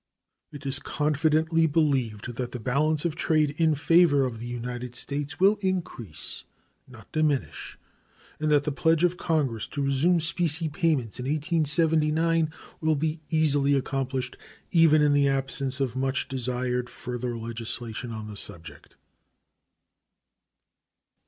It is confidently believed that the balance of trade in favor of the United States will increase, not diminish, and that the pledge of Congress to resume specie payments in 1879 will be easily accomplished, even in the absence of much desired further legislation on the subject.